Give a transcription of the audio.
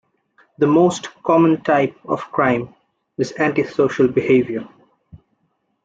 The most common type of crime is anti-social behaviour.